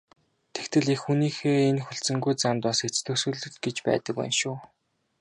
Тэгтэл эх хүний энэ хүлцэнгүй занд бас эцэс төгсгөл гэж байдаг байна шүү.